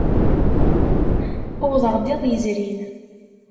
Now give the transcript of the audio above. Uwḍeɣ-d iḍ yezrin.